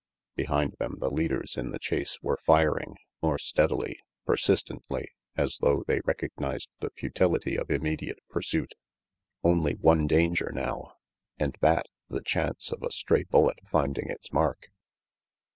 Behind them the leaders in the chase were firing more steadily, persistently, as though they recog nized the futility of immediate pursuit. Only one danger now! And that the chance of a stray bullet finding its mark.